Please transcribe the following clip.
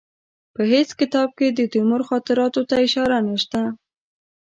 په هېڅ کتاب کې د تیمور خاطراتو ته اشاره نشته.